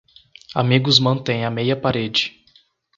Amigos mantêm a meia parede.